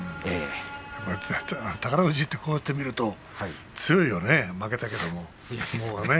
宝富士ってこうやって見ると強いよね負けたけど。